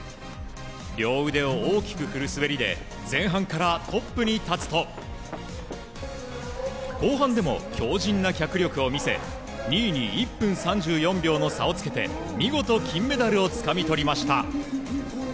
両腕を大きく振る滑りで前半からトップに立つと後半でも強靭な脚力を見せ２位に１分３４秒の差をつけ見事、金メダルをつかみとりました。